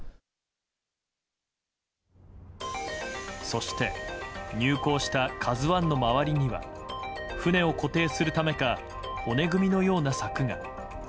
そして、入港した「ＫＡＺＵ１」の周りには船を固定するためか骨組みのような柵が。